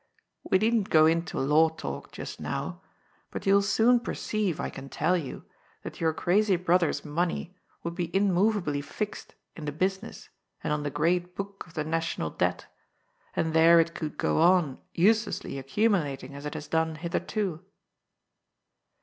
We needn't go into law talk just now. But you will soon per ceive, I can tell you, that your crazy brother's money would be immovably fixed in the business and on the * Great Book of the N^ational Debt,' and there it could go on uselessly accumulating as it has done hitherto."